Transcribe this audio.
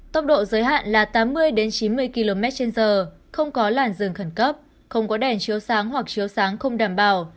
tốc độ giới hạn là tám mươi chín mươi kmh không có làn dừng khẩn cấp không có đèn chiếu sáng hoặc chiếu sáng không đảm bảo